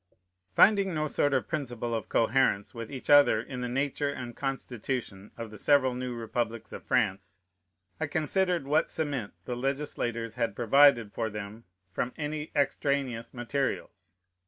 Finding no sort of principle of coherence with each other in the nature and constitution of the several new republics of France, I considered what cement the legislators had provided for them from any extraneous materials.